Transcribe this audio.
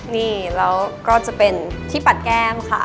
นี่แล้วก็จะเป็นที่ปัดแก้มค่ะ